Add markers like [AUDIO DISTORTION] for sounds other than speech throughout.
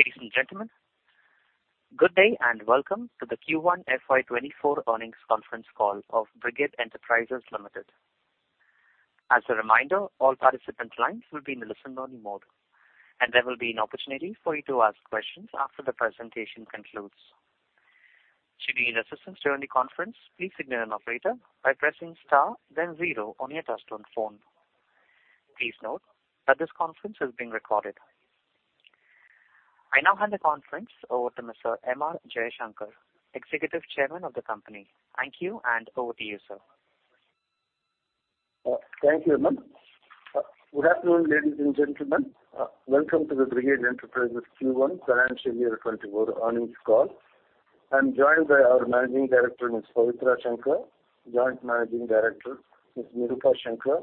Ladies and gentlemen, good day, and welcome to the Q1 FY24 earnings conference call of Brigade Enterprises Limited. As a reminder, all participant lines will be in a listen-only mode, and there will be an opportunity for you to ask questions after the presentation concludes. Should you need assistance during the conference, please signal an operator by pressing star then zero on your touchtone phone. Please note that this conference is being recorded. I now hand the conference over to Mr. M. R. Jaishankar, Executive Chairman of the company. Thank you. Over to you, sir. Thank you, ma'am. Good afternoon, ladies and gentlemen. Welcome to the Brigade Enterprises Q1 financial year 2024 earnings call. I'm joined by our Managing Director, Ms. Pavitra Shankar; Joint Managing Director, Ms. Pavitra Shankar;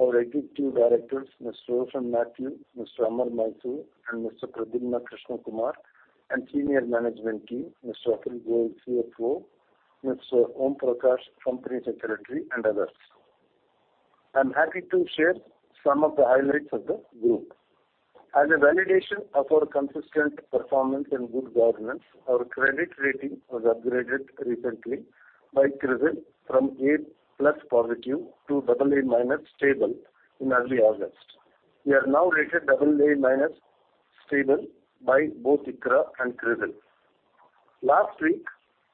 our Executive Directors, Mr. Roshin Mathew, Mr. Amar Mysore, and Mr. Pradyumna Krishna Kumar; and Senior Management team, Mr. Atul Goyal, CFO, Mr. P. Om Prakash, Company Secretary, and others. I'm happy to share some of the highlights of the group. As a validation of our consistent performance in good governance, our credit rating was upgraded recently by CRISIL from A+ to AA- stable in early August. We are now rated AA- stable by both ICRA and CRISIL. Last week,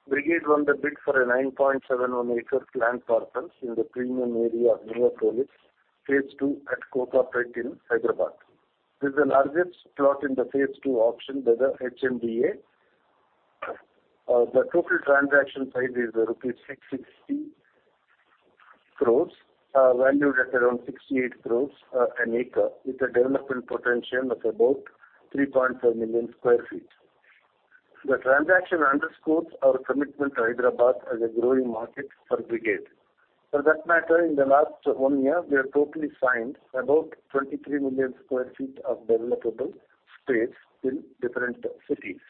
Brigade won the bid for a 9.71 acres land parcels in the premium area of Neopolis, Phase 2 at Kokapet in Hyderabad. This is the largest plot in the phase two auction by the HMDA. The total transaction size is rupees 660 crore, valued at around 68 crore an acre, with a development potential of about 3.5 million sq ft. The transaction underscores our commitment to Hyderabad as a growing market for Brigade. For that matter, in the last one year, we have totally signed about 23 million sq ft of developable space in different cities.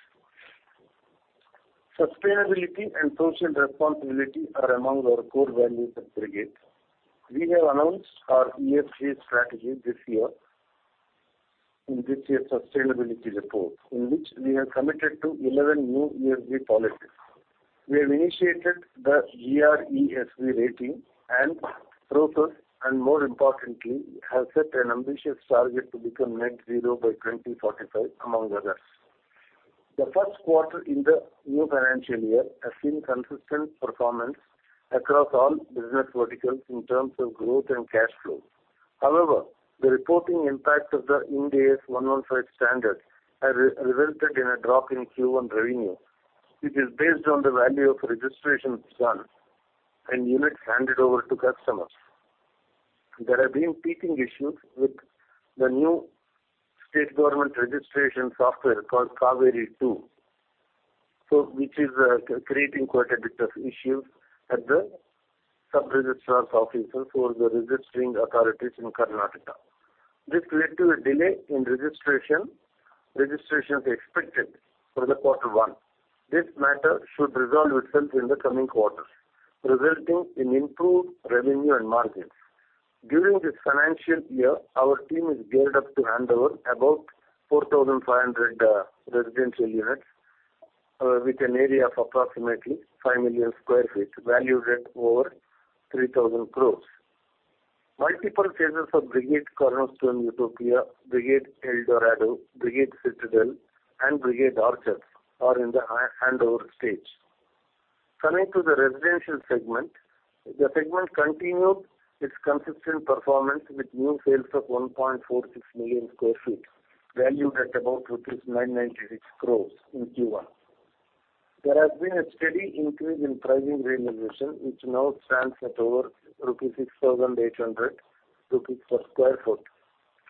Sustainability and Social Responsibility are among our core values at Brigade. We have announced our ESG strategy this year in this year's sustainability report, in which we have committed to 11 new ESG policies. We have initiated the GRESB rating and process, and more importantly, have set an ambitious target to become net zero by 2045, among others. The first quarter in the new financial year has seen consistent performance across all business verticals in terms of growth and cash flow. However, the reporting impact of the Ind AS 115 standard has re-resulted in a drop in Q1 revenue. It is based on the value of registrations done and units handed over to customers. There have been teething issues with the new state government registration software called Kaveri 2.0, which is creating quite a bit of issues at the sub-registrar's office for the registering authorities in Karnataka. This led to a delay in registration, registrations expected for the quarter one. This matter should resolve itself in the coming quarters, resulting in improved revenue and margins. During this financial year, our team is geared up to hand over about 4,500 residential units with an area of approximately 5 million sq ft, valued at over 3,000 crore. Multiple phases of Brigade Cornerstone Utopia, Brigade El Dorado, Brigade Citadel and Brigade Orchards are in the handover stage. Turning to the residential segment, the segment continued its consistent performance with new sales of 1.46 million sq ft, valued at about 996 crore in Q1. There has been a steady increase in pricing realization, which now stands at over 6,800 rupees per sq ft,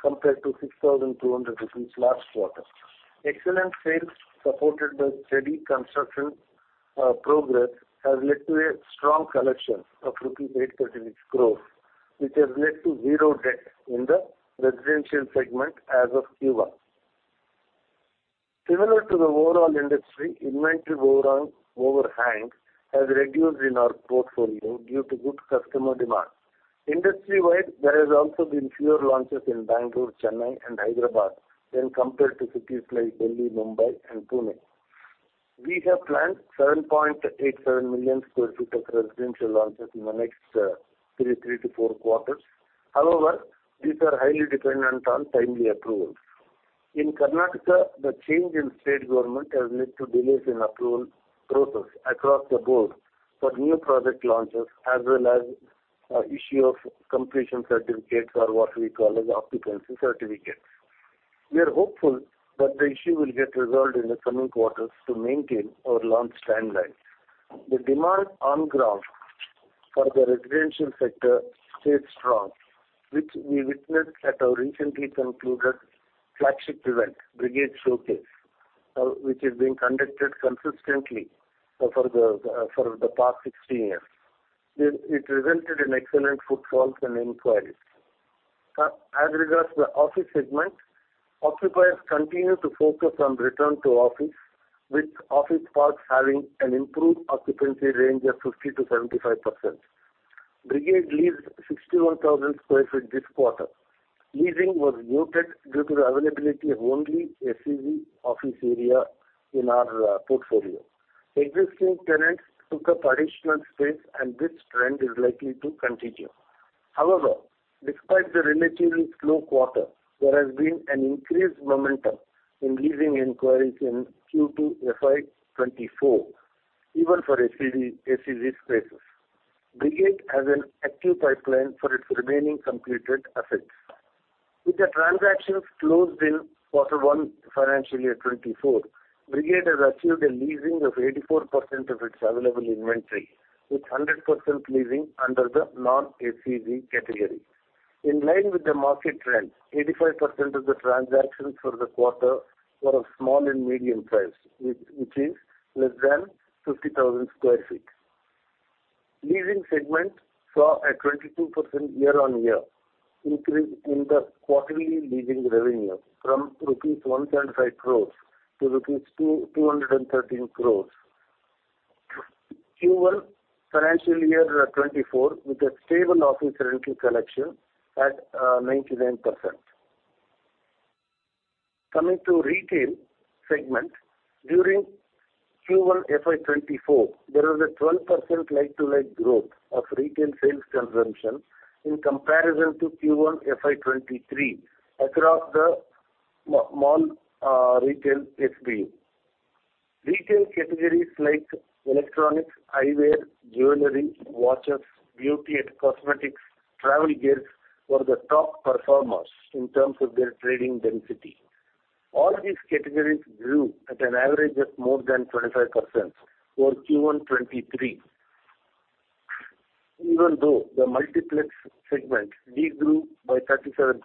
compared to 6,200 rupees last quarter. Excellent sales, supported by steady construction progress, has led to a strong collection of rupees 836 crore, which has led to zero debt in the residential segment as of Q1. Similar to the overall industry, inventory overhang has reduced in our portfolio due to good customer demand. Industry-wide, there has also been fewer launches in Bengaluru, Chennai, and Hyderabad when compared to cities like Delhi, Mumbai and Pune. We have planned 7.87 million sq ft of residential launches in the next three to four quarters. However, these are highly dependent on timely approvals. In Karnataka, the change in state government has led to delays in approval process across the board for new project launches, as well as issue of completion certificates or what we call as occupancy certificates. We are hopeful that the issue will get resolved in the coming quarters to maintain our launch timelines. The demand on ground for the residential sector stays strong, which we witnessed at our recently concluded flagship event, Brigade Showcase, which is being conducted consistently for the past 16 years. It resulted in excellent footfalls and inquiries. As regards the office segment, occupiers continue to focus on return to office, with office parks having an improved occupancy range of 50%-75%. Brigade leased 61,000 sq ft this quarter. Leasing was muted due to the availability of only SEZ office area in our portfolio. Existing tenants took up additional space, and this trend is likely to continue. However, despite the relatively slow quarter, there has been an increased momentum in leasing inquiries in Q2 FY 2024, even for SEZ, SEZ spaces. Brigade has an active pipeline for its remaining completed assets. With the transactions closed in Q1, FY 2024, Brigade has achieved a leasing of 84% of its available inventory, with 100% leasing under the non-SEZ category. In line with the market trends, 85% of the transactions for the quarter were of small and medium size, which is less than 50,000 sq ft. Leasing segment saw a 22% year-on-year increase in the quarterly leasing revenue, from INR 105 crore-INR 213 crore. Q1, FY 2024, with a stable office rental collection at 99%. Coming to retail segment, during Q1 FY 2024, there was a 12% like-to-like growth of retail sales consumption in comparison to Q1 FY 2023 across the mall retail SBU. Retail categories like electronics, eyewear, jewelry, watches, beauty and cosmetics, travel gifts, were the top performers in terms of their trading density. All these categories grew at an average of more than 25% over Q1 2023. The multiplex segment de-grew by 37%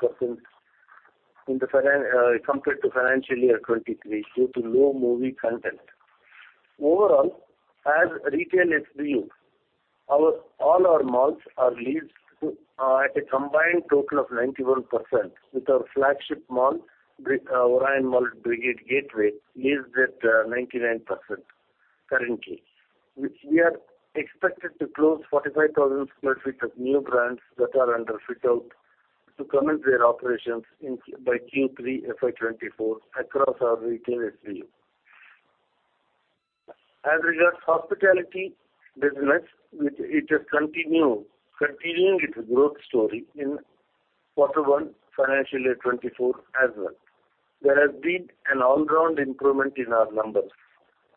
compared to financial year 2023, due to low movie content. Overall, as retail SBU, all our malls are leased at a combined total of 91%, with our flagship mall, Orion Mall Brigade Gateway, leased at 99% currently. We are expected to close 45,000 sq ft of new brands that are under fit-out, to commence their operations by Q3 FY 2024 across our retail SBU. As regards hospitality business, which it has continued, continuing its growth story in quarter one, financial year 2024 as well. There has been an all-round improvement in our numbers,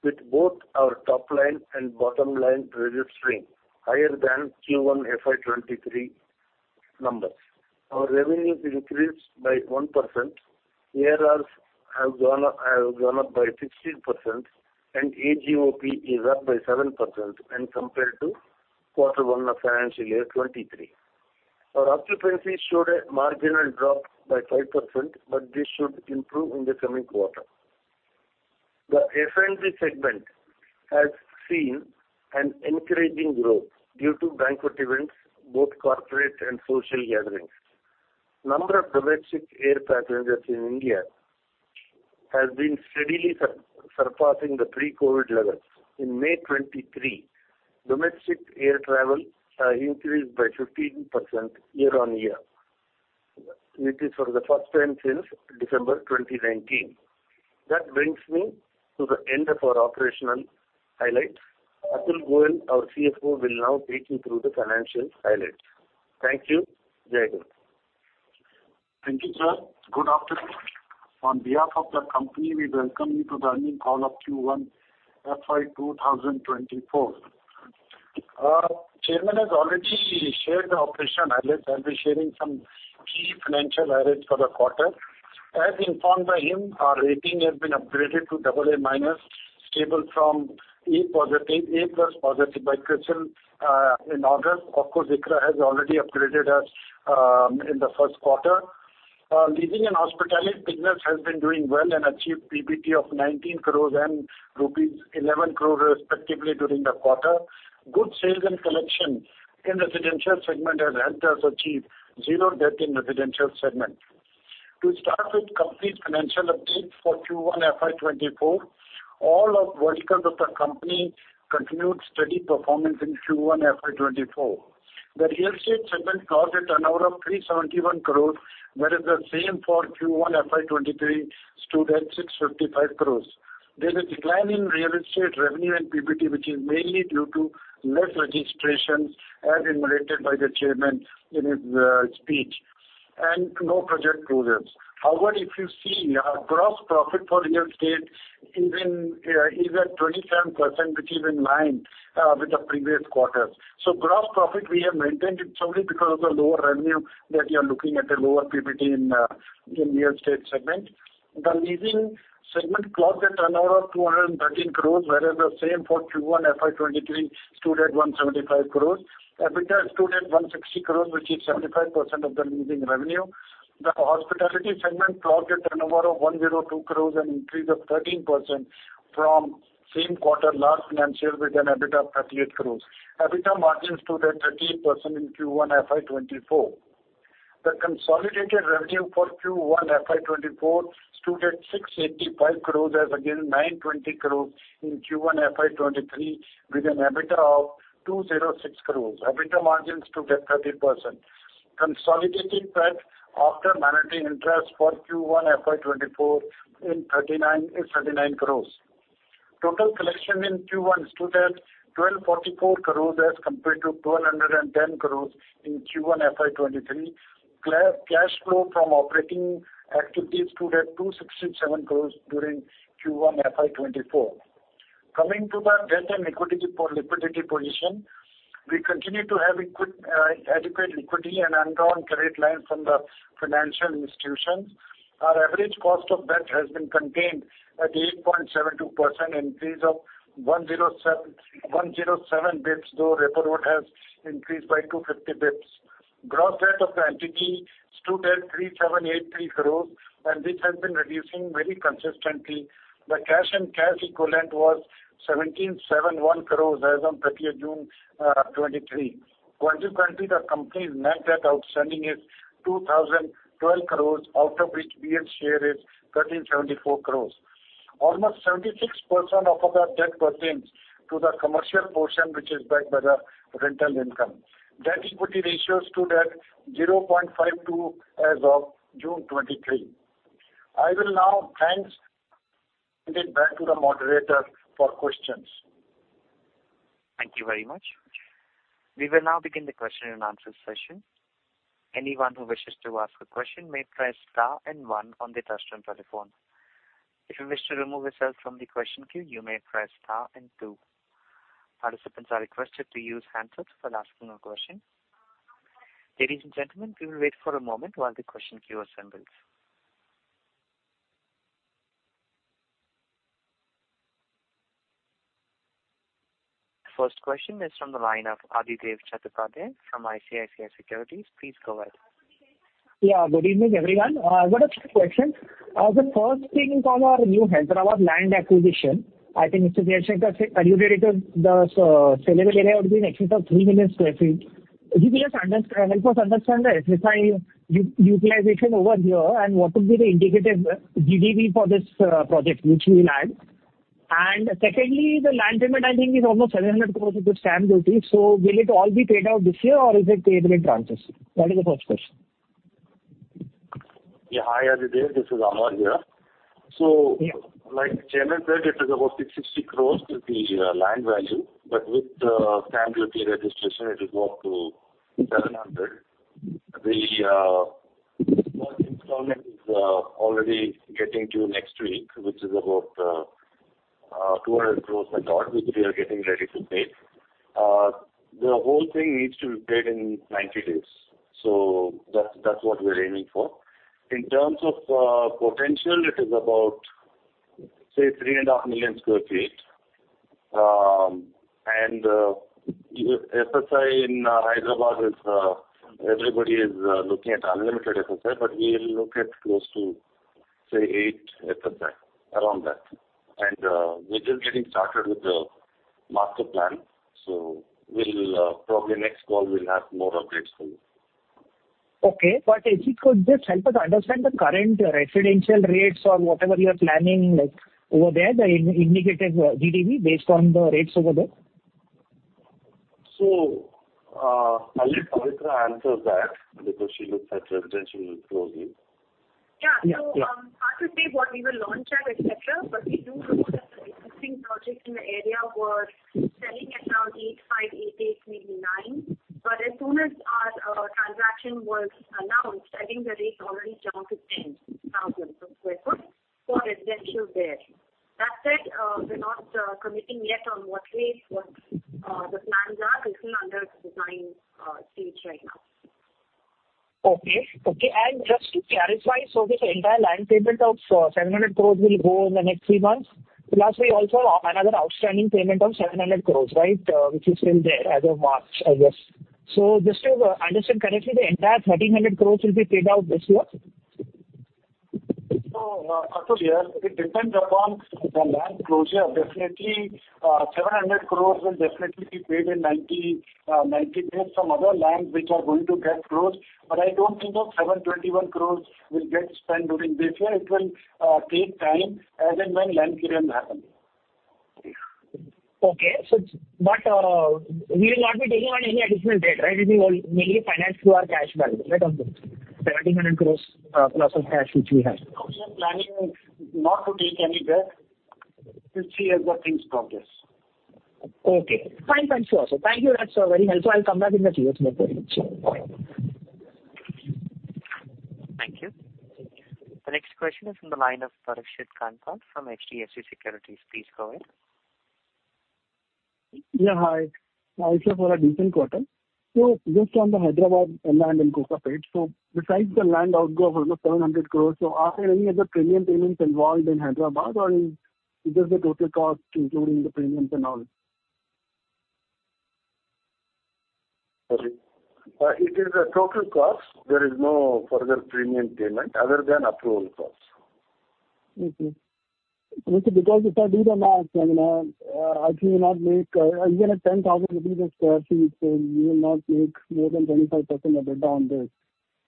with both our top line and bottom line revenue stream higher than Q1 FY23 numbers. Our revenues increased by 1%, ARRs have gone up, have gone up by 16%, and AGOP is up by 7% when compared to Q1 FY23. Our occupancy showed a marginal drop by 5%, but this should improve in the coming quarter. The F&B segment has seen an encouraging growth due to banquet events, both corporate and social gatherings. Number of domestic air passengers in India has been steadily surpassing the pre-COVID levels. In May 2023, domestic air travel increased by 15% year-on-year, which is for the first time since December 2019. That brings me to the end of our operational highlights. Atul Goyal, our CFO, will now take you through the financial highlights. Thank you. [AUDIO DISTORTION] Thank you, sir. Good afternoon. On behalf of the company, we welcome you to the earnings call of Q1 FY 2024. Our chairman has already shared the operational highlights. I'll be sharing some key financial highlights for the quarter. As informed by him, our rating has been upgraded to AA- stable from A+ by CRISIL in August. Of course, ICRA has already upgraded us in the first quarter. Leasing and hospitality business has been doing well and achieved PBT of 19 crore and rupees 11 crore, respectively, during the quarter. Good sales and collection in residential segment has helped us achieve zero debt in residential segment. To start with company's financial update for Q1 FY 2024, all our verticals of the company continued steady performance in Q1 FY 2024. The real estate segment closed a turnover of 371 crore, whereas the same for Q1 FY 2023 stood at 655 crore. There is a decline in real estate revenue and PBT, which is mainly due to less registrations, as enumerated by the Chairman in his speech, and no project closures. If you see, our gross profit for real estate is in, is at 27%, which is in line with the previous quarters. Gross profit, we have maintained it solely because of the lower revenue, that you're looking at a lower PBT in real estate segment. The leasing segment closed at turnover of 213 crore, whereas the same for Q1 FY 2023 stood at 175 crore. EBITDA stood at 160 crore, which is 75% of the leasing revenue. The hospitality segment closed a turnover of 102 crores, an increase of 13% from same quarter last financial, with an EBITDA of 38 crores. EBITDA margins stood at 13% in Q1 FY2024. The consolidated revenue for Q1 FY24 stood at 685 crores as against 920 crores in Q1 FY23, with an EBITDA of 206 crores. EBITDA margins stood at 30%. Consolidated debt after minority interest for Q1 FY24 is INR 39 crores. Total collection in Q1 stood at 1,244 crores as compared to 1,210 crores in Q1 FY23. Cash flow from operating activities stood at 267 crores during Q1 FY24. Coming to the debt and equity liquidity position, we continue to have liquid, adequate liquidity and undrawn credit line from the financial institutions. Our average cost of debt has been contained at 8.72%, increase of 107 basis points, though repo rate has increased by 250 basis points. Gross debt of the entity stood at 3,783 crore, this has been reducing very consistently. The cash and cash equivalent was 1,771 crore as on 30 of June 2023. Consequently, the company's net debt outstanding is 2,012 crore, out of which BEL's share is 1,374 crore. Almost 76% of the debt pertains to the commercial portion, which is backed by the rental income. Debt-equity ratio stood at 0.52 as of June 2023. I will now hand it back to the moderator for questions. Thank you very much. We will now begin the question and answer session. Anyone who wishes to ask a question may press star one on the touchtone telephone. If you wish to remove yourself from the question queue, you may press star two. Participants are requested to use handsets while asking a question. Ladies and gentlemen, we will wait for a moment while the question queue assembles. First question is from the line of Adhidev Chattopadhyay from ICICI Securities. Please go ahead. Yeah, good evening, everyone. I've got a few questions. The first thing on our new Hyderabad land acquisition, I think Mr. Jayesh has said, attributed the saleable area would be in excess of 3 million sq ft. Could you please help us understand the FSI utilization over here, and what would be the indicative GDV for this project, which we will add? Secondly, the land payment, I think, is almost 700 crore with stamp duty. Will it all be paid out this year, or is it paid in tranches? That is the first question. Hi, Adhidev, this is M.R. here. Like the chairman said, it is about 660 crore with the land value, but with the stamp duty registration, it will go up to 700 crore. The first installment is already getting due next week, which is about 200 crore, I thought, which we are getting ready to pay. The whole thing needs to be paid in 90 days, that's, that's what we're aiming for. In terms of potential, it is about, say, 3.5 million sq ft. FSI in Hyderabad is everybody is looking at unlimited FSI, but we look at close to, say, 8 FSI, around that. We're just getting started with the master plan, so we'll probably next call we'll have more updates for you. Okay, if you could just help us understand the current residential rates or whatever you are planning, like, over there, the indicative GDV based on the rates over there? I'll let Pavitra answer that, because she looks at residential closely. Yeah. Yeah, yeah. Hard to say what we will launch at, etc., but we do know that the existing projects in the area were selling at around 8,500-8,800, maybe 9,000. As soon as our transaction was announced, I think the rate already jumped to 10,000 per square foot for residential there. That said, we're not committing yet on what rates, what the plans are. It's still under design stage right now. Okay. Okay, just to clarify, this entire land payment of 700 crore will go in the next three months. We also have another outstanding payment of 700 crore, right, which is still there as of March, I guess? Just to understand correctly, the entire 1,300 crore will be paid out this year? Atul here, it depends upon the land closure. Definitely, 700 crore will definitely be paid in 90, 90 days from other lands which are going to get closed, but I don't think those 721 crore will get spent during this year. It will take time as and when land clearance happens. We will not be taking on any additional debt, right? It will mainly finance through our cash balance, right, on this 1,300 crore plus the cash which we have. We are planning not to take any debt to see how the things progress. Okay. Fine, thank you, also. Thank you, that's very helpful. I'll come back in the Q&A for it. Thank you. The next question is from the line of Parikshit Kandpal from HDFC Securities. Please go ahead. Yeah, hi. Also, for a decent quarter. Just on the Hyderabad land in Kokapet, besides the land outgo of almost 700 crore, are there any other premium payments involved in Hyderabad, or is this the total cost, including the premiums and all? Sorry. It is the total cost. There is no further premium payment other than approval cost. Okay. If I do the math, I mean, I think you not make, even at 10,000 rupees sq ft, you will not make more than 25% EBITDA on this.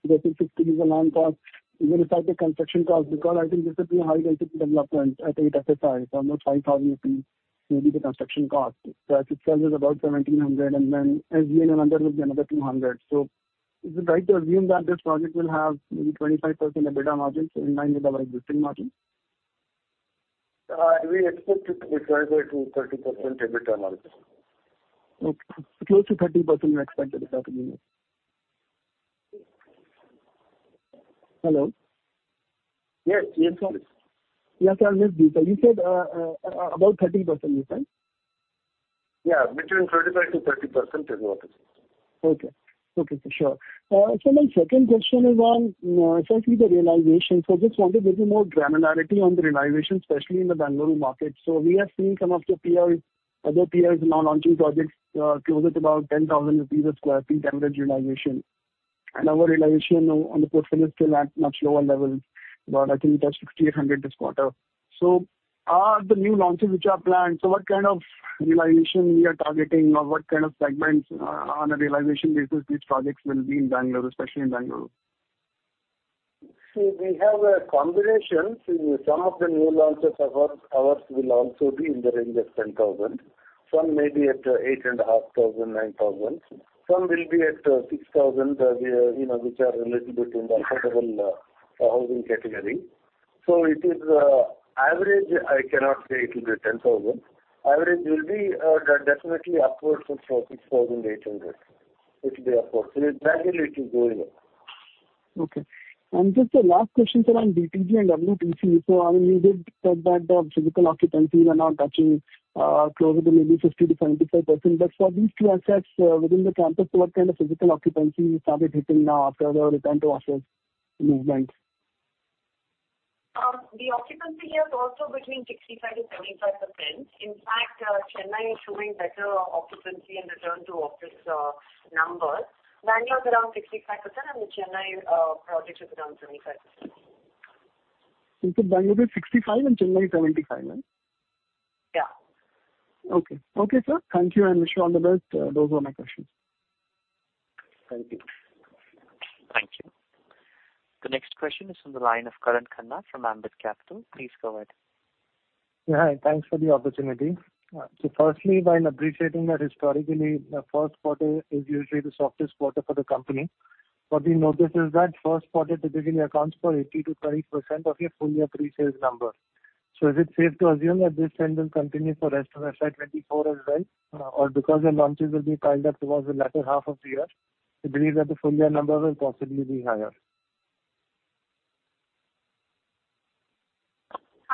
If it is a land cost, even if I take construction cost, because I think this would be a high-density development. I think FSI is almost 5,000 rupees, maybe the construction cost. I think sales is about 1,700, and then as GNM under will be another 200. Is it right to assume that this project will have maybe 25% EBITDA margin, so in line with our existing margin? We expect it to be closer to 30% EBITDA margin. Okay. Close to 30% you expect it to be. Hello? Yes. Yes, sorry. Yes, I missed you, sir. You said, about 30%, you said? Yeah, between 25%-30% is what it is. Okay. Okay, sure. My second question is on, essentially the realization. I just wanted a little more granularity on the realization, especially in the Bengaluru market. We have seen some of your peers, other peers now launching projects, close at about 10,000 rupees a sq ft average realization. Our realization on the portfolio is still at much lower levels, but I think that's 6,800 this quarter. Are the new launches which are planned, what kind of realization we are targeting, or what kind of segments, on a realization basis, these projects will be in Bengaluru, especially in Bengaluru? We have a combination. Some of the new launches of our, ours will also be in the range of 10,000. Some may be at 8,500, 9,000. Some will be at 6,000, we, you know, which are a little bit in the affordable housing category. It is average, I cannot say it will be 10,000. Average will be definitely upwards of 6,800. It will be upwards. Gradually it will go here. Okay. just a last question, sir, on BTG and WTC. I mean, you did said that the physical occupancies are now touching, closer to maybe 50%-75%. For these two assets, within the campus, what kind of physical occupancy you started hitting now after the return to office movement? The occupancy here is also between 65%-75%. In fact, Chennai is showing better occupancy and return to office numbers. Bengaluru is around 65%, and the Chennai project is around 75%. Bengaluru is 65% and Chennai 75%, right? Yeah. Okay. Okay, sir. Thank you, and wish you all the best. Those were my questions. Thank you. Thank you. The next question is from the line of Karan Khanna from Ambit Capital. Please go ahead. Yeah, hi, thanks for the opportunity. Firstly, while appreciating that historically, the first quarter is usually the softest quarter for the company, what we notice is that first quarter typically accounts for 80%-20% of your full year pre-sales number. Is it safe to assume that this trend will continue for rest of FY 2024 as well? Because your launches will be piled up towards the latter half of the year, you believe that the full year numbers will possibly be higher?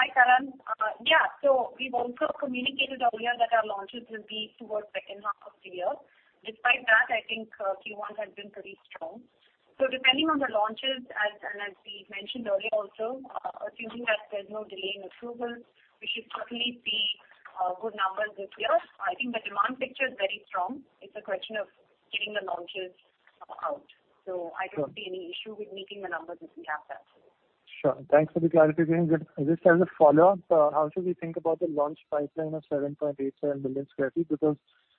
Hi, Karan. Yeah, so we've also communicated earlier that our launches will be towards second half of the year. Despite that, I think, Q1 has been pretty strong. So depending on the launches, as, and as we mentioned earlier also, assuming that there's no delay in approval, we should certainly see good numbers this year. I think the demand picture is very strong. It's a question of getting the launches out. So I don't see any issue with meeting the numbers this year, absolutely. Sure. Thanks for the clarity. Just as a follow-up, how should we think about the launch pipeline of 7.87 million sq ft?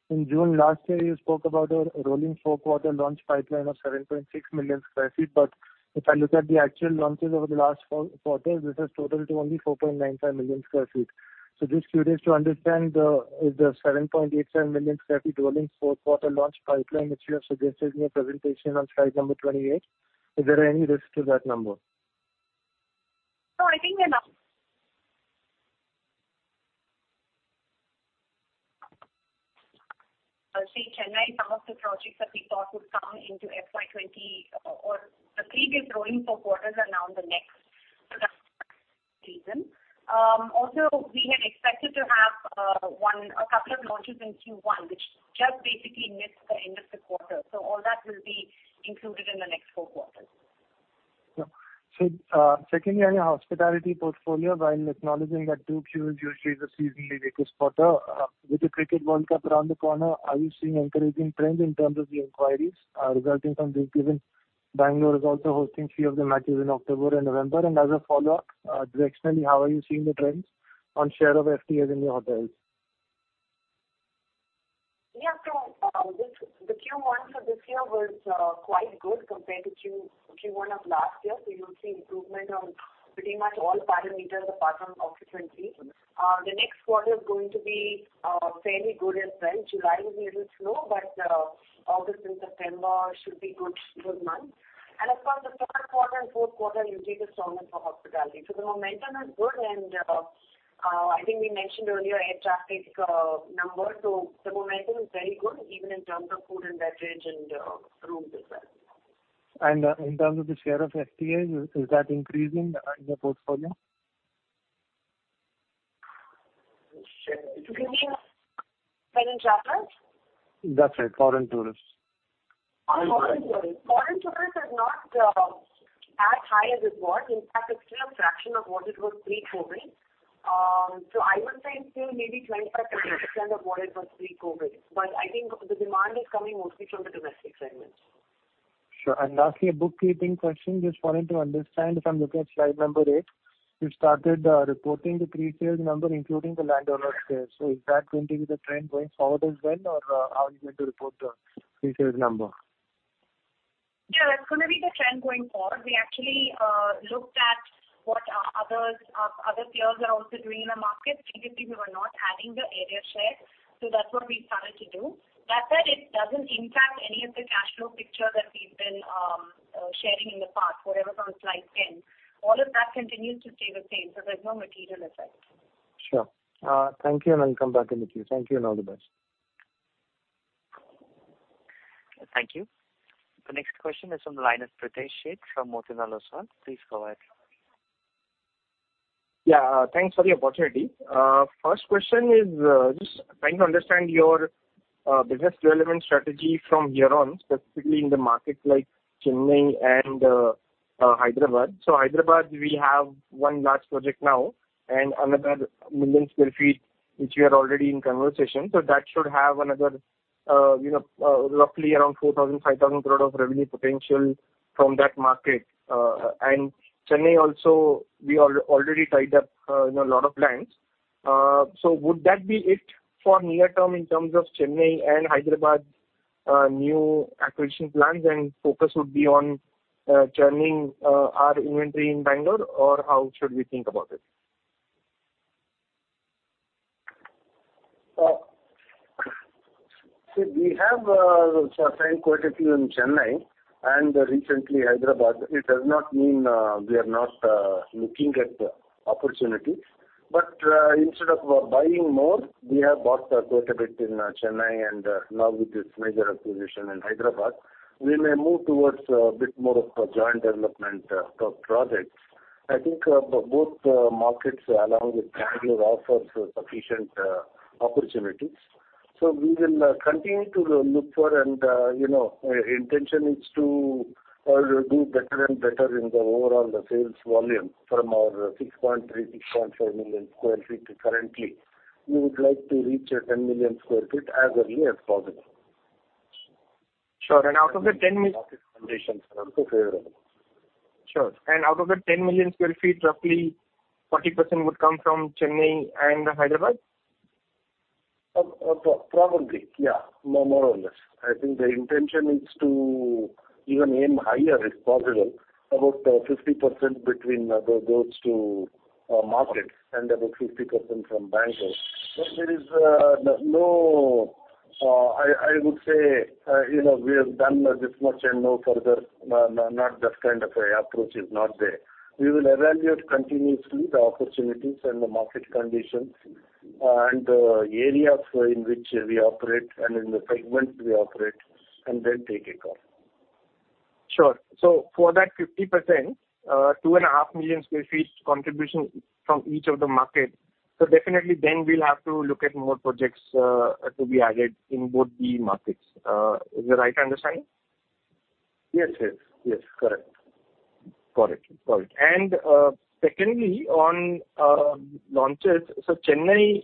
In June last year, you spoke about a rolling four-quarter launch pipeline of 7.6 million sq ft. If I look at the actual launches over the last four quarters, this has totaled to only 4.95 million sq ft. Just curious to understand, is the 7.87 million sq ft rolling four-quarter launch pipeline, which you have suggested in your presentation on slide number 28, is there any risk to that number? No, I think we're now. See, Chennai, some of the projects that we thought would come into FY 2020, or the three rolling four quarters are now in the next season. Also, we had expected to have, one, a couple of launches in Q1, which just basically missed the end of the quarter. All that will be included in the next four quarters. Sure. Secondly, on your hospitality portfolio, while acknowledging that Q2 is usually the seasonally weakest quarter, with the Cricket World Cup around the corner, are you seeing encouraging trends in terms of the inquiries, resulting from this? Given Bengaluru is also hosting three of the matches in October and November. As a follow-up, just explain to me, how are you seeing the trends on share of FTAs in your hotels? Yeah, this, the Q1 for this year was quite good compared to Q1 of last year. You'll see improvement on pretty much all parameters apart from occupancy. The next quarter is going to be fairly good as well. July is a little slow, but August and September should be good, good months. As far as the third quarter and fourth quarter, you'll see the strongest for hospitality. The momentum is good, and I think we mentioned earlier, air traffic number. The momentum is very good, even in terms of food and beverage and rooms as well. In terms of the share of FTAs, is, is that increasing in the portfolio? Share. You mean foreign travelers? That's right, foreign tourists. Oh, foreign tourists. Foreign tourists is not as high as it was. In fact, it's still a fraction of what it was pre-COVID. I would say it's still maybe 25% of what it was pre-COVID, but I think the demand is coming mostly from the domestic segment. Sure. Lastly, a bookkeeping question, just wanting to understand if I'm looking at slide number eight, you started reporting the pre-sales number, including the landowner share. Is that going to be the trend going forward as well, or how are you going to report the pre-sales number? Yeah, that's going to be the trend going forward. We actually looked at what others, other peers are also doing in the market. Previously, we were not adding the area share, so that's what we started to do. That said, it doesn't impact any of the cash flow picture that we've been sharing in the past, whatever is on slide 10. All of that continues to stay the same. There's no material effect. Sure. Thank you, and I'll come back in the queue. Thank you, and all the best. Thank you. The next question is from the line of Pritesh Sheth from Motilal Oswal. Please go ahead. Yeah, thanks for the opportunity. First question is, just trying to understand your business development strategy from here on, specifically in the markets like Chennai and Hyderabad. Hyderabad, we have one large project now and another 1 million sq ft, which we are already in conversation. That should have another, you know, roughly around 4,000 crore-5,000 crore of revenue potential from that market. Chennai also, we already tied up in a lot of lands. Would that be it for near term in terms of Chennai and Hyderabad, new acquisition plans and focus would be on churning our inventory in Bengaluru? How should we think about it? We have quite a few in Chennai and recently Hyderabad. It does not mean we are not looking at the opportunity, but instead of buying more, we have bought quite a bit in Chennai, and now with this major acquisition in Hyderabad, we may move towards a bit more of a joint development for projects. I think both markets, along with Bengaluru, offers sufficient opportunities. We will continue to look for and, you know, intention is to do better and better in the overall the sales volume from our 6.3 million sq ft-6.5 million sq ft currently. We would like to reach 10 million sq ft as early as possible. Sure. Out of the 10 million sq ft. Market conditions are also favorable. Sure. Out of the 10 million sq ft, roughly 40% would come from Chennai and Hyderabad? Probably, yeah, more or less. I think the intention is to even aim higher, if possible, about 50% between those two markets, and about 50% from Bengaluru. But there is no, I would say, you know, we have done this much and no further, not that kind of a approach is not there. We will evaluate continuously the opportunities and the market conditions, and the areas in which we operate and in the segments we operate, and then take a call. Sure. For that 50%, 2.5 million sq ft contribution from each of the market. Definitely then we'll have to look at more projects, to be added in both the markets. Is that right understanding? Yes, yes. Yes, correct. Got it. Got it. Secondly, on launches, so Chennai,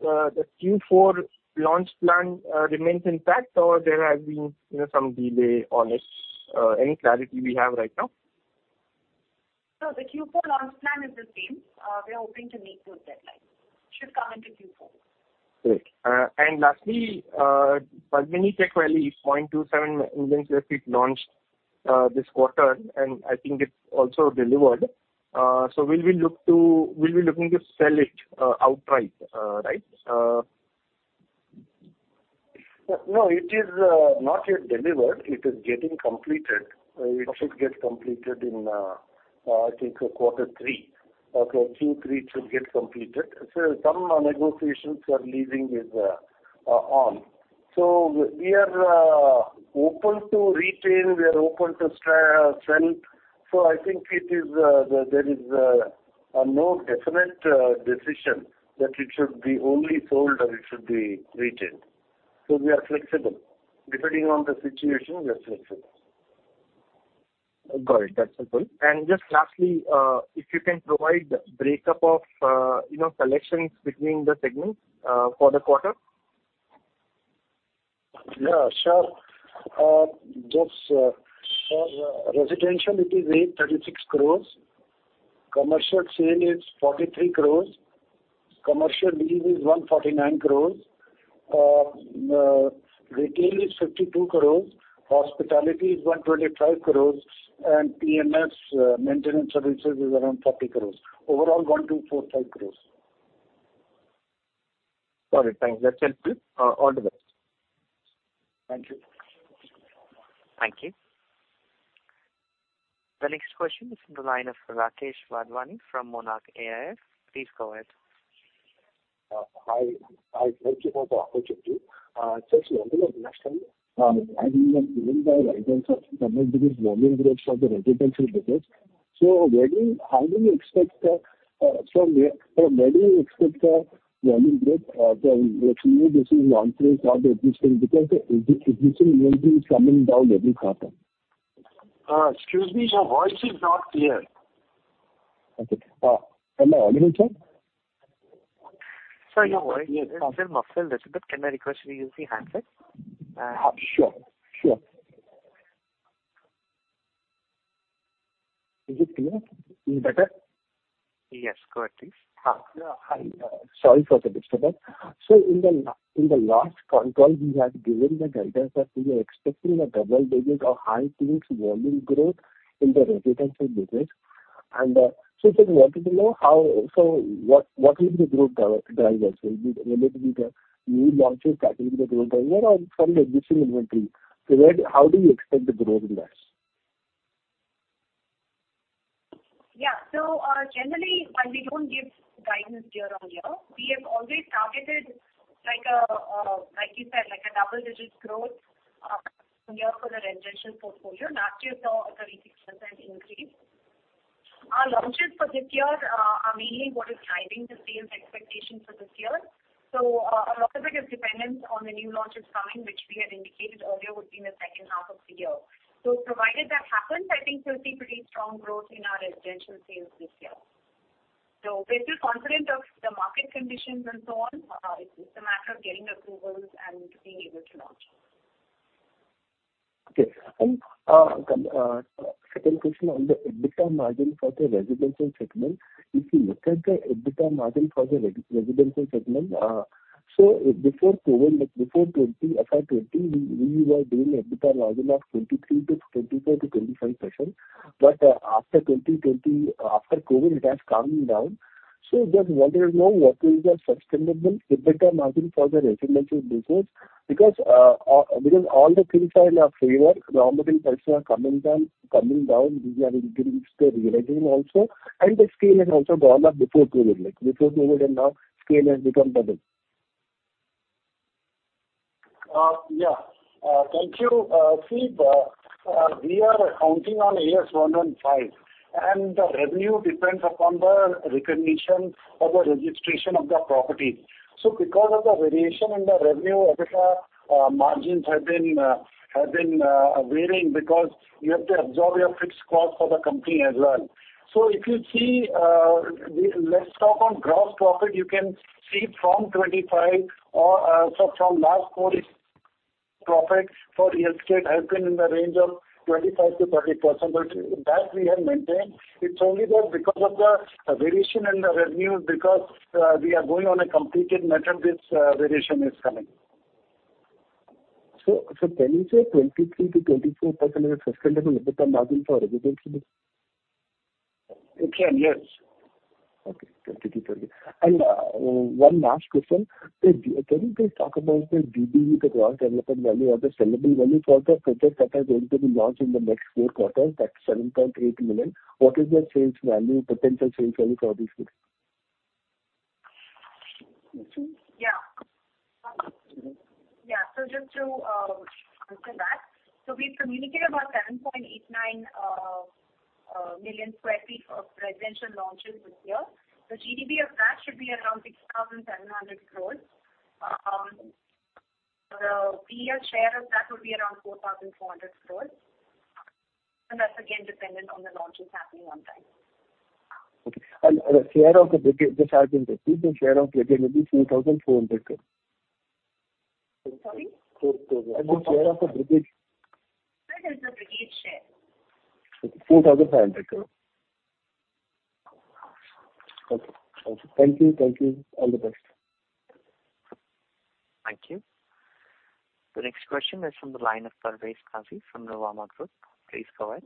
the Q4 launch plan remains intact, or there has been, you know, some delay on this? Any clarity we have right now? The Q4 launch plan is the same. We are hoping to meet those deadlines. Should come into Q4. Great. Lastly, Balmini Tech Valley, 0.27 million sq ft launched this quarter, and I think it's also delivered. Will we look to, will be looking to sell it outright, right? No, it is not yet delivered. It is getting completed. It should get completed in, I think Q3. Okay, Q3, it should get completed. Some negotiations for leasing are on. We are open to retain, we are open to sell. I think there is no definite decision that it should be only sold or it should be retained. We are flexible. Depending on the situation, we are flexible. Got it. That's helpful. Just lastly, if you can provide breakup of, you know, collections between the segments, for the quarter? Yeah, sure. For residential, it is 836 crores. Commercial sale is 43 crores. Commercial lease is 149 crores. Retail is 52 crores, hospitality is 125 crores, and PMS maintenance services is around 40 crores. Overall, 1,245 crores. Got it. Thanks. That's helpful. All the best. Thank you. Thank you. The next question is from the line of Rakesh Wadhwani from Monarch AIF. Please go ahead. Hi. I thank you for the opportunity. Just wanted to understand, and you were given by guidance of some of these volume growth for the residential business. Where do you, how do you expect, from where, from where do you expect the volume growth, from your future launches or the existing? Because the existing volume is coming down every quarter. Excuse me, your voice is not clear. Okay. Hello, can you hear? Sorry, your voice is still muffled a little bit. Can I request you to use the handset? Sure, sure. Is it clear? Any better? Yes, go ahead, please. Hi, sorry for the disturbance. In the last control, you had given the guidance that we are expecting a double-digits or high-teens volume growth in the residential business. Just wanted to know what, what will be the growth drivers? Will it be the new launches that will be the growth driver or from the existing inventory? Where, how do you expect the growth in that? Yeah. Generally, while we don't give guidance year-on-year, we have always targeted like a, like you said, like a double-digit growth year for the residential portfolio. Last year saw a 36% increase. Our launches for this year are mainly what is driving the sales expectation for this year. Provided that happens, I think we'll see pretty strong growth in our residential sales this year. We're still confident of the market conditions and so on. It's just a matter of getting approvals and being able to launch. Okay. Second question on the EBITDA margin for the residential segment. If you look at the EBITDA margin for the residential segment, before COVID, like, before FY2020, we were doing EBITDA margin of 23%-25%. After 2020, after COVID, it has come down. Just wanted to know, what is the sustainable EBITDA margin for the residential business? Because all the things are in our favor, raw material prices are coming down, coming down, we are increasing the realizing also, and the scale has also gone up before COVID, like, before COVID and now scale has become double. Uh, see, uh, uh, we are accounting on Ind AS 115, and the revenue depends upon the recognition of the registration of the property. So because of the variation in the revenue, EBITDA, uh, margins have been, uh, have been, uh, varying because you have to absorb your fixed cost for the company as well. So if you see, uh, the, let's talk on gross profit, you can see from 25% or, uh, so from last quarter, profit for real estate has been in the range of 25%-30%. But that we have maintained. It's only that because of the variation in the revenue, because, uh, we are going on a completed matter, this, uh, variation is coming. So, can you say 23%-24% is sustainable EBITDA margin for residential? It can, yes. Okay. [AUDIO DISTORTION] One last question. Can you please talk about the GDV, the Gross Development Value, or the sellable value for the projects that are going to be launched in the next four quarters, that's 7.8 million. What is the sales value, potential sales value for these projects? Yeah. Yeah, just to answer that, we've communicated about 7.89 million sq ft of residential launches this year. The GDV of that should be around 6,700 crore. The DL share of that would be around 4,400 crore, and that's again, dependent on the launches happening on time. Okay. The share of the Brigade, the share in the Brigade will be INR 4,400 crore? Sorry? [AUDIO DISTORTION] Brigade. What is the Brigade share? INR 4,400 crore. Okay. Thank you. Thank you. All the best. Thank you. The next question is from the line of Parvez Qazi from Nuvama Group. Please go ahead.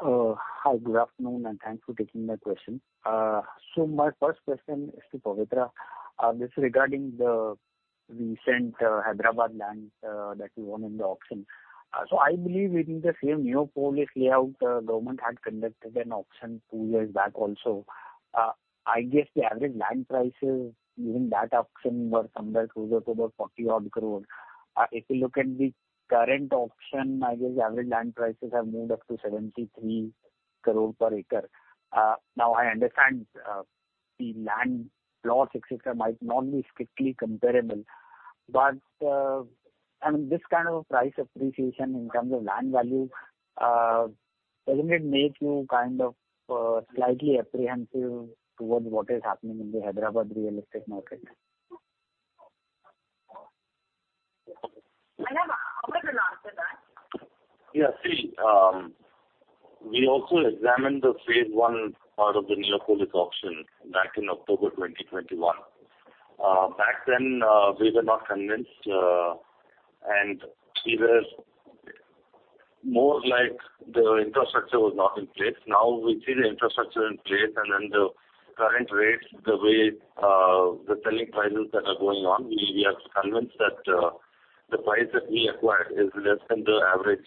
Hi, good afternoon, thanks for taking my question. My first question is to Pavitra. This is regarding the recent Hyderabad land that you won in the auction. I believe within the same Neopolis layout, government had conducted an auction two years back also. I guess the average land prices during that auction were somewhere closer to about 40 crore. If you look at the current auction, I guess average land prices have moved up to 73 crore per acre. Now, I understand, the land plots, etc., might not be strictly comparable, but I mean, this kind of price appreciation in terms of land value, doesn't it make you kind of slightly apprehensive towards what is happening in the Hyderabad real estate market? I'll have [Rakesh] to answer that. Yeah. See, we also examined the phase one part of the Neopolis auction back in October 2021. Back then, we were not convinced, and it was more like the infrastructure was not in place. Now, we see the infrastructure in place and then the current rates, the way the selling prices that are going on, we, we are convinced that the price that we acquired is less than the average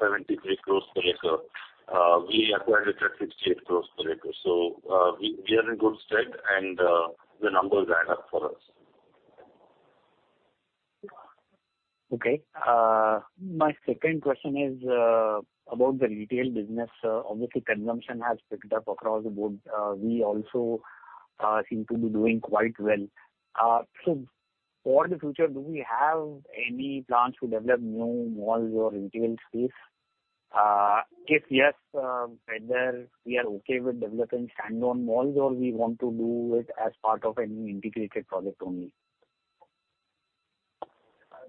73 crore per acre. We acquired it at 68 crore per acre. We, we are in good stead, and the numbers add up for us. Okay. My second question is about the retail business. Obviously, consumption has picked up across the board. We also seem to be doing quite well. For the future, do we have any plans to develop new malls or retail space? If yes, whether we are okay with developing standalone malls, or we want to do it as part of any integrated project only?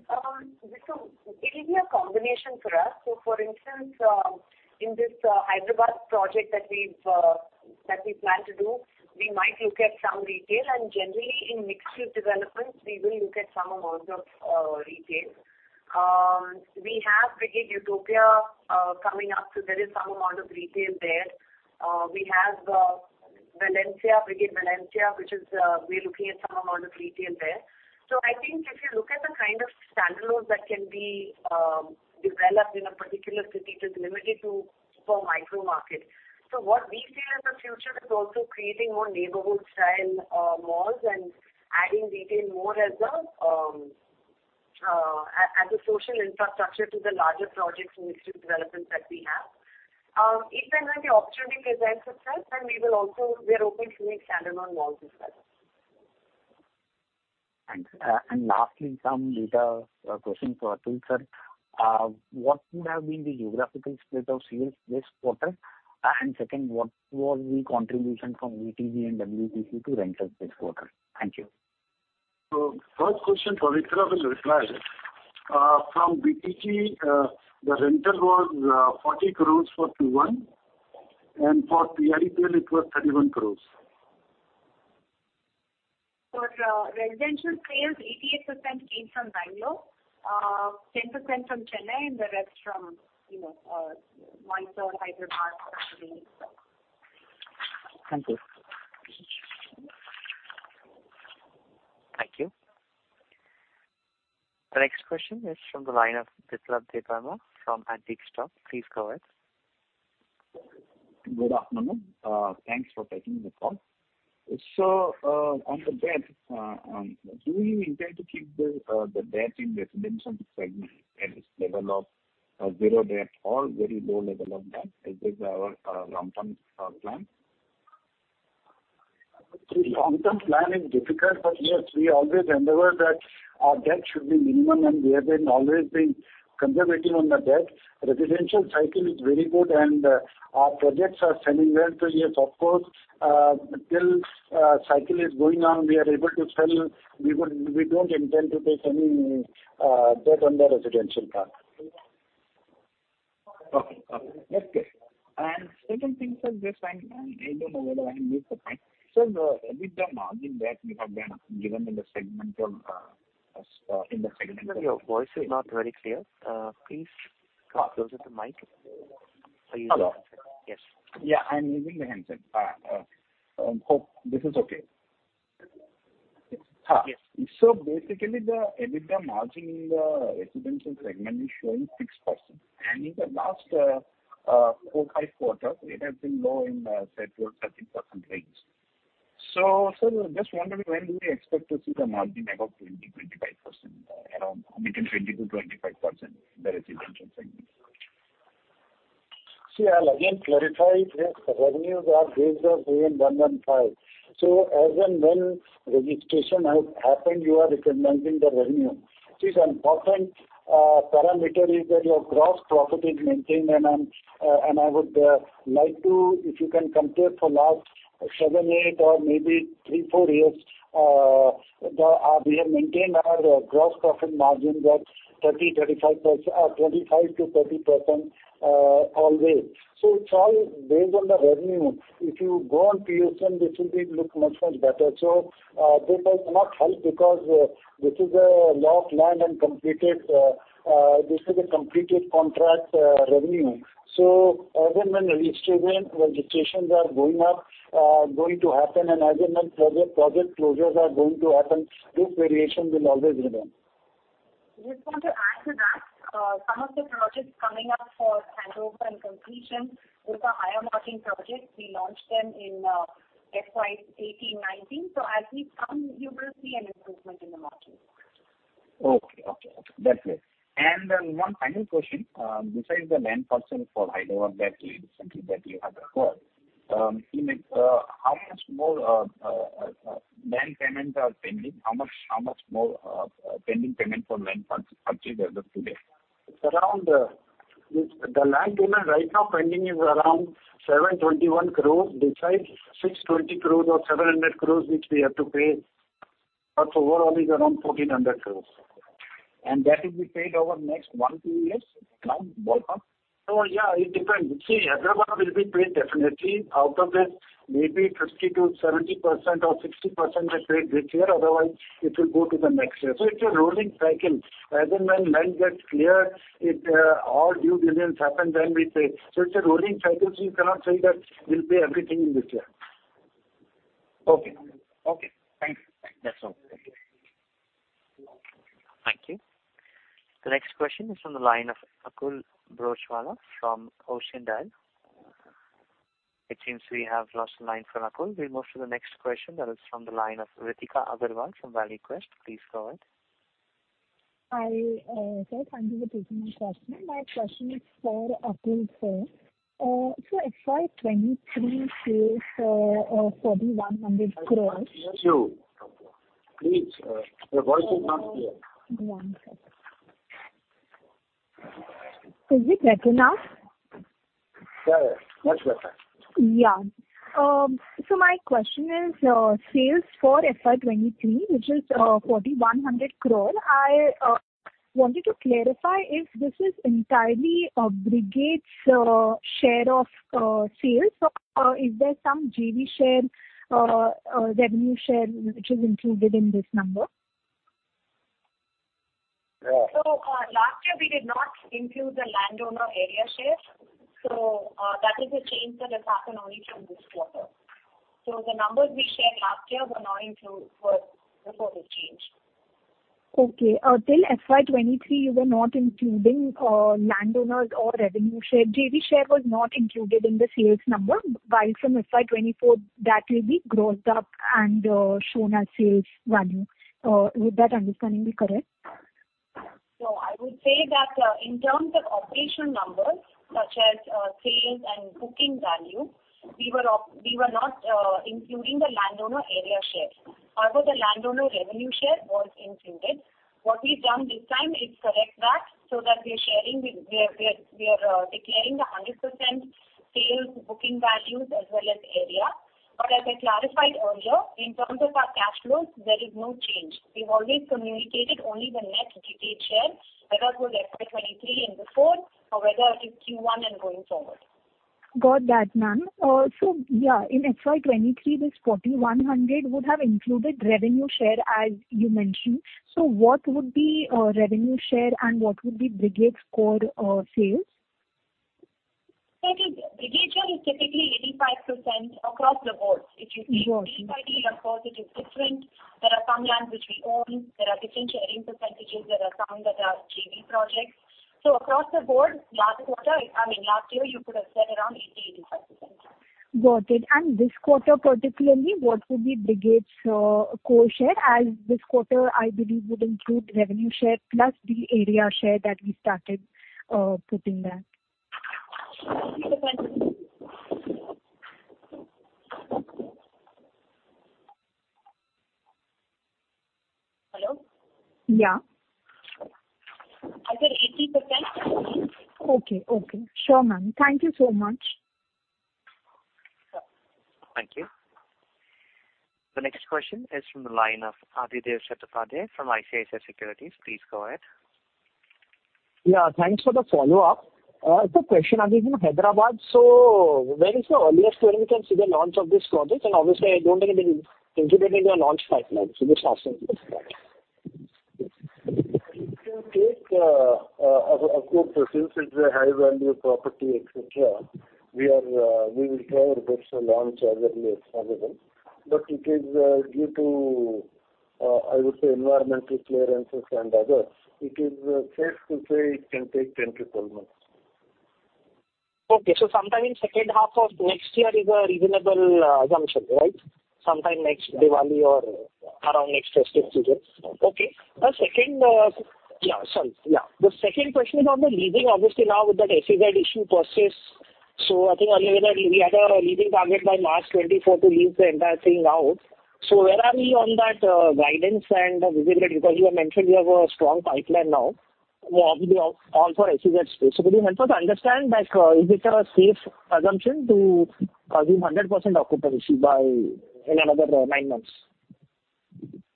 It will be a combination for us. For instance, in this Hyderabad project that we've that we plan to do, we might look at some retail, and generally, in mixed-use developments, we will look at some amounts of retail. We have Brigade Utopia coming up, so there is some amount of retail there. We have Valencia, Brigade Valencia, which is, we're looking at some amount of retail there. I think if you look at the kind of standalones that can be developed in a particular city, it is limited to for micro market. What we see in the future is also creating more neighborhood-style malls, and adding retail more as a social infrastructure to the larger projects and institute developments that we have. If and when the opportunity presents itself, we are open to make standalone malls as well. Thanks. Lastly, some data question for Atul, sir. What would have been the geographical split of sales this quarter? Second, what was the contribution from BTG and WTC to rentals this quarter? Thank you. First question for Vitra will reply. From BTG, the rental was 40 crore for Q1, and for Prel, it was 31 crore. For, residential sales, 88% came from Bengaluru, 10% from Chennai, and the rest from, you know, Mysore, Hyderabad, etc. Thank you. Thank you. The next question is from the line of Biplab Debbarma from Antique Stockbroking. Please go ahead. Good afternoon. Thanks for taking the call. On the debt, do you intend to keep the debt in residential segment at this level of Zero Debt or very low level of debt? Is this our long-term plan? Long-term plan is difficult, but yes, we always endeavor that our debt should be minimum, and we have been always been conservative on the debt. Residential cycle is very good, and our projects are selling well. Yes, of course, till cycle is going on, we are able to sell, we don't intend to take any debt on the residential part. Okay. Okay. Second thing, sir, just I, I don't know whether I missed the point. With the margin that you have been given in the segment of. Sir, your voice is not very clear. Please come closer to the mic. Hello? Yes. Yeah, I'm using the handset. Hope this is okay. Yes. Basically, the EBITDA margin in the residential segment is showing 6%, and in the last four quarters, it has been low in, say, 12%-13% range. Sir, just wondering, when do we expect to see the margin back up 20%-25%, around between 20% to 25% in the residential segment? See, I'll again clarify, these revenues are Ind AS 115. As and when registration has happened, you are recognizing the revenue. See, an important parameter is that your gross profit is maintained, and I'm and I would like to, if you can compare for last seven, eight, or maybe three, four years, the we have maintained our gross profit margin at 30%-35%, 25%-30% always. It's all based on the revenue. If you go on PCM, this will be look much, much better. Data cannot help because this is a locked land and completed, this is a completed contract revenue. As and when registration, registrations are going up, going to happen, and as and when project, project closures are going to happen, this variation will always remain. Just want to add to that, some of the projects coming up for handover and completion, those are higher margin projects. We launched them in, FY 2018, 2019. As we come, you will see an improvement in the margin. Okay. Okay. Okay. That's it. One final question, besides the land parcel for Hyderabad that recently that you have acquired, how much more land payments are pending? How much, how much more pending payment for land purchase as of today? It's around, the land payment right now pending is around 721 crore, besides 620 crore or 700 crore, which we have to pay. Overall, it's around 1,400 crore. That will be paid over next one, two years, around, ballpark? Yeah, it depends. See, Hyderabad will be paid definitely. Out of it, maybe 50%-70% or 60% we pay this year, otherwise it will go to the next year. It's a rolling cycle. As and when land gets clear, it, all due diligence happen, then we pay. It's a rolling cycle, so you cannot say that we'll pay everything in this year. Okay. Okay, thank you. That's all. Thank you. Thank you. The next question is from the line of Akul Broachwala from Ocean Dial. It seems we have lost the line from Akul. We'll move to the next question that is from the line of Ritika Agarwal from ValueQuest. Please go ahead. I, sir, thank you for taking my question. My question is for Atul sir. FY 2023 sales INR 4,100 crore. I can't hear you. Please, your voice is not clear. Yeah. Is it better now? Yeah, much better. Yeah. My question is, sales for FY 2023, which is, 4,100 crore, I wanted to clarify if this is entirely Brigade's share of sales? Or is there some JV share, revenue share which is included in this number? Yeah. Last year we did not include the landowner area share. That is a change that has happened only from this quarter. The numbers we shared last year were not include for before the change. Okay. Till FY 2023, you were not including landowners or revenue share. JV share was not included in the sales number, while from FY 2024, that will be grossed up and shown as sales value. Would that understanding be correct? I would say that, in terms of operational numbers, such as sales and booking value, we were not including the landowner area share. However, the landowner revenue share was included. What we've done this time is correct that, so that we are sharing with we are, we are declaring the 100% sales booking values as well as area. As I clarified earlier, in terms of our cash flows, there is no change. We've always communicated only the net Brigade share, whether it was FY 2023 and before, or whether it is Q1 and going forward. Got that, ma'am. Yeah, in FY 2023, this 4,100 would have included revenue share, as you mentioned. What would be revenue share and what would be Brigade's core sales? It is, Brigade share is typically 85% across the board. [CROSSTALK] Got you. Of course, it is different. There are some lands which we own. There are different sharing percentages. There are some that are JV projects. Across the board, last quarter, I mean, last year, you could have said around 80%-85%. Got it. This quarter particularly, what would be Brigade's core share, as this quarter, I believe, would include revenue share plus the area share that we started putting back? Hello? Yeah. I said 80%. Okay. Okay. Sure, ma'am. Thank you so much. Thank you. The next question is from the line of Adhidev Chattopadhyay from ICICI Securities. Please go ahead. Yeah, thanks for the follow-up. Question on Hyderabad. When is the earliest when we can see the launch of this project? Obviously, I don't think you've been including in your launch pipeline. Just asking this question. It will take, of course, since it's a high-value property, etc., we will try our best to launch as early as possible. It is, due to, I would say, environmental clearances and others, it is safe to say it can take 10-12 months. Okay. Sometime in second half of next year is a reasonable assumption, right? Sometime next Diwali or around next festive season. Okay. Second. Yeah, sorry. Yeah. The second question is on the leasing, obviously, now with that SEZ issue persist. I think earlier that we had a leasing target by March 2024 to lease the entire thing out. Where are we on that guidance and visibility? You have mentioned you have a strong pipeline now, all for SEZ space. Could you help us understand, like, is it a safe assumption to assume 100% occupancy by in another nine months?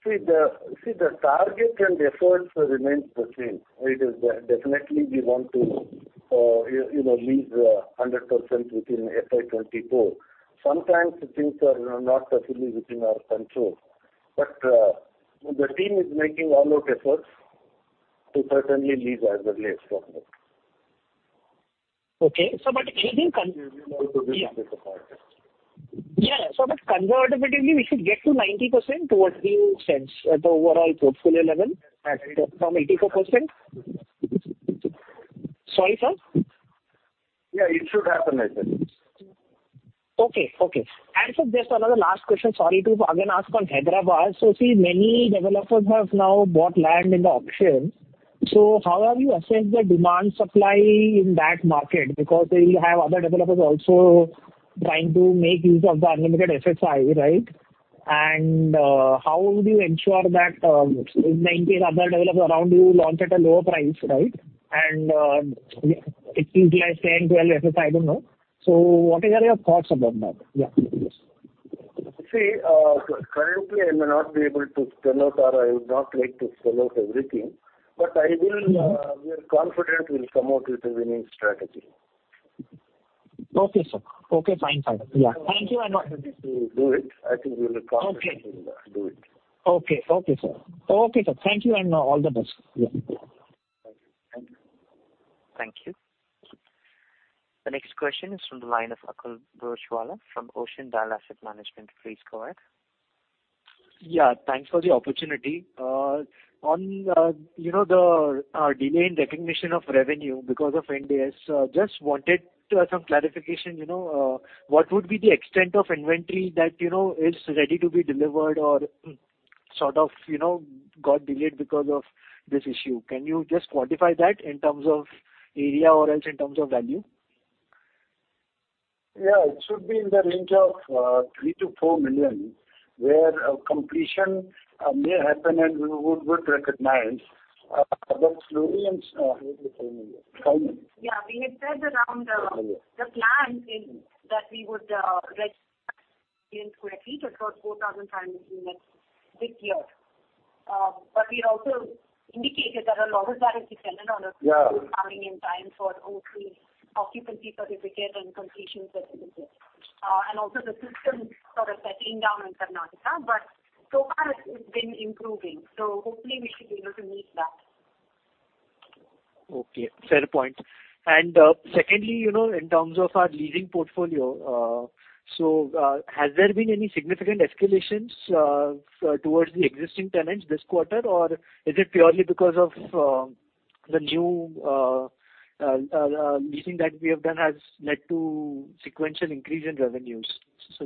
See the, see the target and efforts remains the same. It is definitely we want to, you know, lease 100% within FY 2024. Sometimes things are not completely within our control. The team is making all out efforts to certainly lease as early as possible. Okay. But anything [CROSSTALK] Yeah. But comparatively, we should get to 90%, what we sense at the overall portfolio level, from 84%? Sorry, sir? Yeah, it should happen, I think. Okay. Okay. Sir, just another last question, sorry to again ask on Hyderabad. See, many developers have now bought land in the auction. How have you assessed the demand-supply in that market? Because we have other developers also trying to make use of the unlimited FSI, right? How would you ensure that, in case other developers around you launch at a lower price, right? It utilizes 10 FSI, 12 FSI, I don't know. What are your thoughts about that? Yeah. See, currently, I may not be able to spell out, or I would not like to spell out everything, but I will, we are confident we'll come out with a winning strategy. Okay, sir. Okay, fine, fine. Yeah. Thank you. We will do it. I think we will. Okay. do it. Okay. Okay, sir, thank you, and all the best. Yeah. Thank you. Thank you. The next question is from the line of Akul Broachwala from Ocean Dial Asset Management. Please go ahead. Yeah, thanks for the opportunity. on, you know, the delay in recognition of revenue because of Ind AS, just wanted to have some clarification, you know, what would be the extent of inventory that, you know, is ready to be delivered or, sort of, you know, got delayed because of this issue? Can you just quantify that in terms of area or else in terms of value? Yeah, it should be in the range of 3 million-4 million, where a completion may happen, and we would, would recognize, but slowly and, how do you say? Yeah, we had said around, the plan in that we would, reach 4,000 sq ft across 4,000x in the next this year. We also indicated that a lot of that is dependent on us. Yeah. Coming in time for hopefully occupancy certificate and completion certificate, and also the system sort of settling down in Karnataka. So far it's, it's been improving, so hopefully we should be able to meet that. Okay, fair point. Secondly, you know, in terms of our leasing portfolio, so has there been any significant escalations towards the existing tenants this quarter? Or is it purely because of the new leasing that we have done has led to sequential increase in revenues?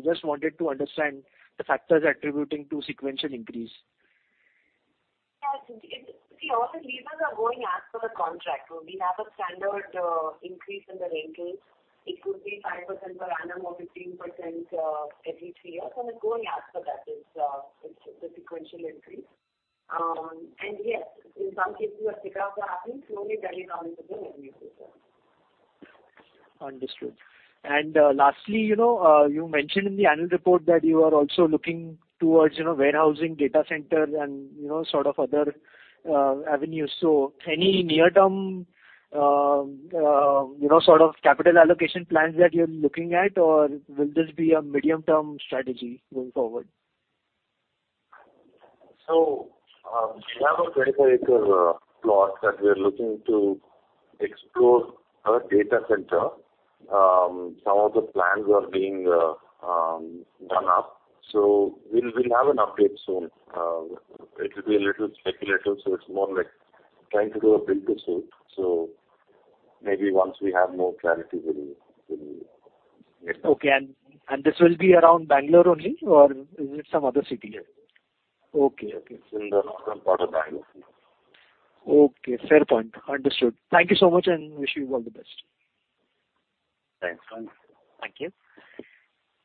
Just wanted to understand the factors attributing to sequential increase. Yes, see, all the leases are going as per the contract. We have a standard increase in the rentals. It could be 5% per annum or 15% every three years. It's going as per that. It's the sequential increase. Yes, in some cases, we have kick-offs are happening slowly turning around in the revenue as well. Understood. Lastly, you know, you mentioned in the annual report that you are also looking towards, you know, warehousing data center and, you know, sort of other avenues. Any near-term, you know, sort of capital allocation plans that you're looking at, or will this be a medium-term strategy going forward? We have a 25 acre plot that we're looking to explore a data center. Some of the plans are being done up, so we'll, we'll have an update soon. It will be a little speculative, so it's more like trying to do a build this soon. Maybe once we have more clarity, we'll, we'll Okay. This will be around Bengaluru only, or is it some other city? Yes. Okay. It's in the northern part of Bengaluru. Okay, fair point. Understood. Thank you so much, and wish you all the best. Thanks. Thank you. Thank you.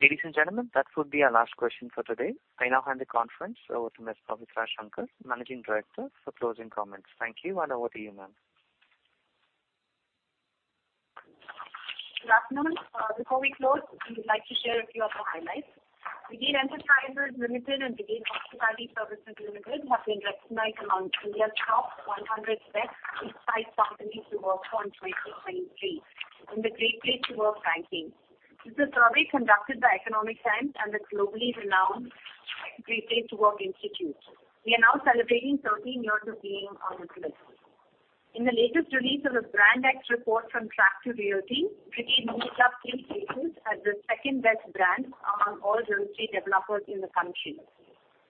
Ladies and gentlemen, that would be our last question for today. I now hand the conference over to Ms. Pavitra Shankar, Managing Director, for closing comments. Thank you, over to you, ma'am. Good afternoon. Before we close, we would like to share a few of the highlights. Brigade Enterprises Limited and Brigade Hospitality Services Limited have been recognized among India's top 100 best size companies to work for in 2023 in the Great Place to Work ranking. This is a survey conducted by Economic Times and the globally renowned Great Place to Work Institute. We are now celebrating 13 years of being on this list. In the latest release of the BrandX report from Track2Realty, Brigade moved up three stages as the second-best brand among all real estate developers in the country.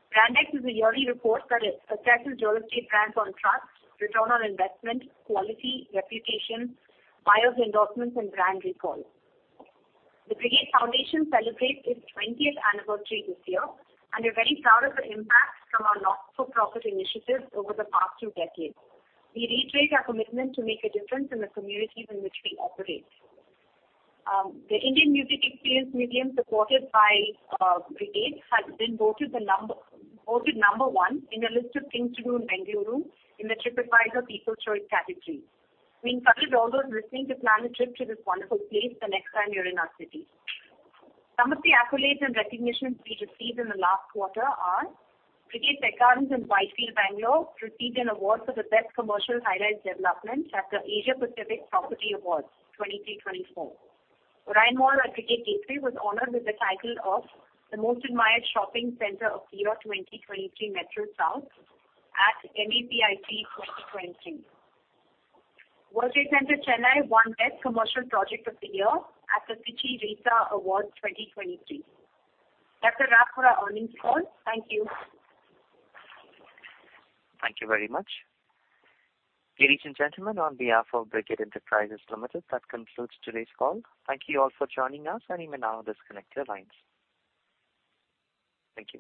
BrandX is a yearly report that assesses real estate brands on trust, return on investment, quality, reputation, buyers endorsements, and brand recall. The Brigade Foundation celebrates its twentieth anniversary this year. We're very proud of the impact from our not-for-profit initiatives over the past two decades. We reiterate our commitment to make a difference in the communities in which we operate. The Indian Music Experience Museum, supported by Brigade, has been voted number one in the list of things to do in Bengaluru in the TripAdvisor People's Choice category. We encourage all those listening to plan a trip to this wonderful place the next time you're in our city. Some of the accolades and recognitions we received in the last quarter are Brigade Tech Gardens in Whitefield, Bengaluru, received an award for the Best Commercial High-rise Development at the Asia Pacific Property Awards 2023-2024. Orion Mall at Brigade Gateway was honored with the title of the Most Admired Shopping Center of the Year 2023 Metro South at MEPIB 2023. World Trade Center, Chennai, won Best Commercial Project of the Year at the FICCI REISA Awards 2023. That's a wrap for our earnings call. Thank you. Thank you very much. Ladies and gentlemen, on behalf of Brigade Enterprises Limited, that concludes today's call. Thank you all for joining us, and you may now disconnect your lines. Thank you.